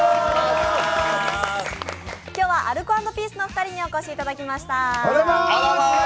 今日はアルコ＆ピースのお二人にお越しいただきました。